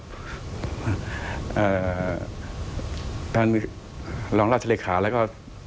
แต่ว่าทางรองราชาเลขาแล้วก็